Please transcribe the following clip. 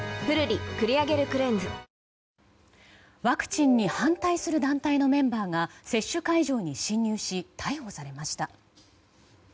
ワクチンに反対する団体のメンバーが接種会場に侵入し逮捕されました。